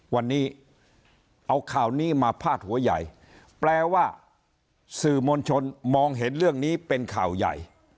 วันนี้เอาข่าวนี้มาพาดหัวใหญ่แปลว่าสื่อมวลชนมองเห็นเรื่องนี้เป็นข่าวใหญ่